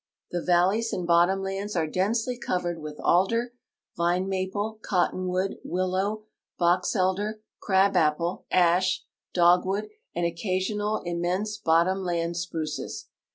The valleys and bottom lands are densely covered with alder, vine maple, cottonwood, willow, boxelder, crab apj^le, ash, dogwood, and occasional immense bottom land si:>ruces.